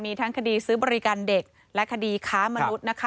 มีทั้งคดีซื้อบริการเด็กและคดีค้ามนุษย์นะคะ